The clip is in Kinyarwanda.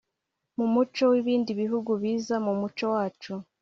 mu muco w’ibindi bihugu biza mu muco wacu